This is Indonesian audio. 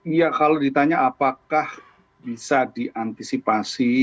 iya kalau ditanya apakah bisa diantisipasi